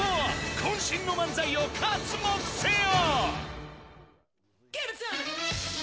こん身の漫才を刮目せよ。